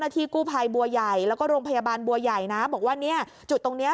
ที่กู้ภัยบัวใหญ่แล้วก็โรงพยาบาลบัวใหญ่นะบอกว่าเนี่ยจุดตรงเนี้ย